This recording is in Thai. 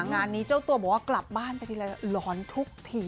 งานนี้เจ้าตัวบอกว่ากลับบ้านไปทีละหลอนทุกที